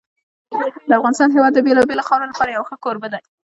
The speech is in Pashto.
د افغانستان هېواد د بېلابېلو خاورو لپاره یو ښه کوربه دی.